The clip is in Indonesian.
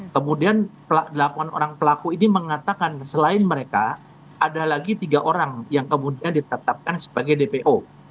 kemudian delapan orang pelaku ini mengatakan selain mereka ada lagi tiga orang yang kemudian ditetapkan sebagai dpo